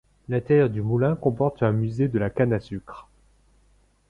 L'intérieur du moulin comporte un musée de la canne à sucre.